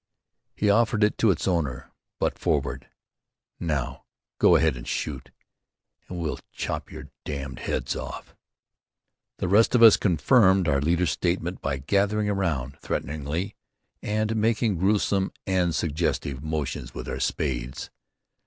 He offered it to its owner, butt forward, "Now go ahead and shoot, and we'll chop your damned heads off." The rest of us confirmed our leader's statement by gathering around threateningly and making gruesome and suggestive motions with our spades.